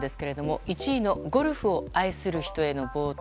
１位のゴルフを愛する人への冒涜。